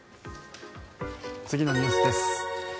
次のニュースです。